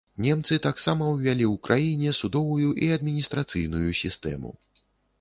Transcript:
Немцы таксама ўвялі ў краіне судовую і адміністрацыйную сістэму.